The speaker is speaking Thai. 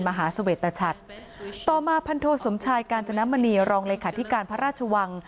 มหาเสวตชัดต่อมาพันโทสมชายกาญจนมณีรองเลขาธิการพระราชวัง